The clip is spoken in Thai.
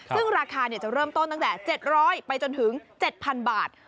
ซึ่งราคาจะเริ่มต้นตั้งแต่๗๐๐ไปจนถึง๗๐๐บาท